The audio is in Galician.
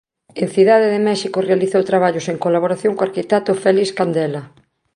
En Cidade de México realizou traballos en colaboración co arquitecto Félix Candela.